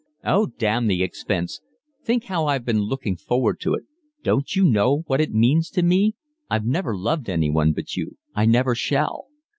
"Oh, damn the expense. Think how I've been looking forward to it. Don't you know what it means to me? I've never loved anyone but you. I never shall."